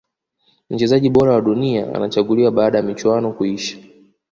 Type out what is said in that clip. mchezaji bora wa dunia anachuguliwa baada ya michuano kuisha